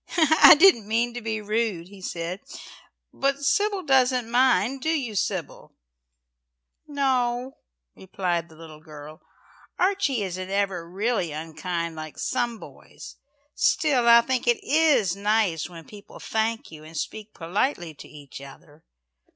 "I didn't mean to be rude," he said. "But Sybil doesn't mind. Do you, Sybil?" "No," replied the little girl. "Archie isn't ever really unkind like some boys. Still I think it is nice when people thank you and speak politely to each other.